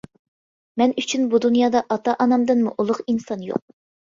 مەن ئۈچۈن بۇ دۇنيادا ئاتا-ئانامدىنمۇ ئۇلۇغ ئىنسان يوق.